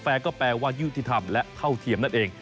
็แปลว่ายุติธรรมและเท่าเทียมนั่นเอง